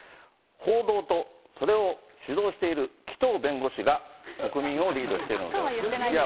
報道とそれを主導している紀藤弁護士が国民をリードしているのでそうは言ってないですよ。